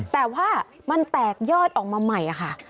แต่ว่ามันแตกยอดออกมาใหม่ค่ะ